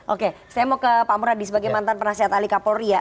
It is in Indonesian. oke saya mau ke pak muradi sebagai mantan penasihat alika polri ya